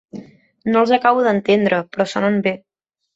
No els acabo d'entendre però sonen bé.